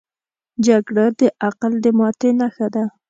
جګړه د عقل د ماتې نښه ده